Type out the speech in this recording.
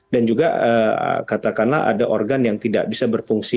dan juga katakanlah ada organ yang tidak bisa berfungsi